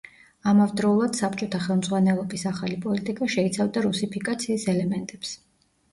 ამავდროულად საბჭოთა ხელმძღვანელობის ახალი პოლიტიკა შეიცავდა რუსიფიკაციის ელემენტებს.